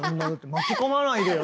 巻き込まないでよ